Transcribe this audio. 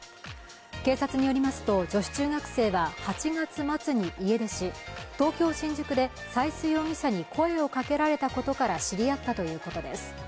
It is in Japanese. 警察によりますと、女子中学生は８月末に家出し東京・新宿で斉須容疑者に声をかけられたことから知り合ったということです。